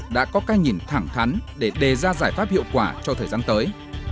đã có cái nhìn thẳng thắn để đề ra giải pháp hiệu quả cho thời gian tới